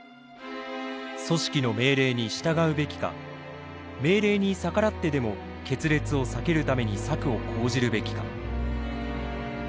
組織の命令に従うべきか命令に逆らってでも決裂を避けるために策を講じるべきか。